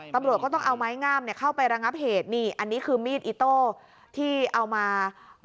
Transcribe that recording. ตำรวจก็ต้องเอาไม้งามเนี่ยเข้าไประงับเหตุนี่อันนี้คือมีดอิโต้ที่เอามา